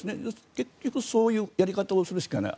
結局そういうやり方をするしかない。